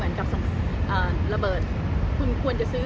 มันจะไม่พูดหรอกแต่ปกติเค้าเรียกว่าเป็นการล่อซื้อ